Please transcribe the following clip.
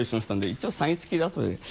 一応サイン付きであとで。